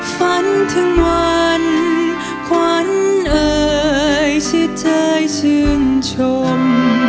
ฝันถึงวันขวัญเอ่ยชิดใจชื่นชม